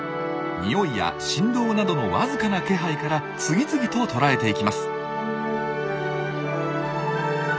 匂いや振動などのわずかな気配から次々と捕らえていきます。